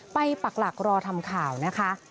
ปักหลักรอทำข่าวนะคะ